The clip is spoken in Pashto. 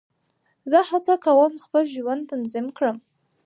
زه هڅه کوم خپل ژوند تنظیم کړم.